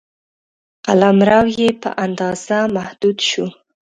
قلمرو یې په اندازه محدود شو.